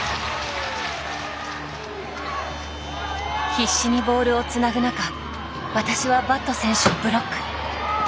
必死にボールをつなぐ中私はバット選手をブロック。